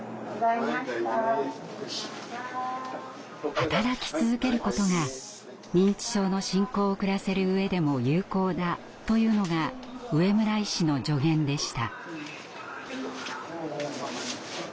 働き続けることが認知症の進行を遅らせる上でも有効だというのが植村医師の助言でした。